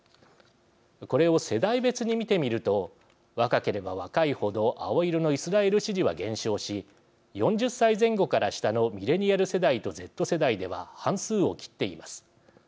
これを世代別に見てみると若ければ若い程青色のイスラエル支持は減少し４０歳前後から下のミレニアル世代とＺ世代では半数を切っています。